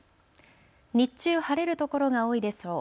日中、晴れる所が多いでしょう。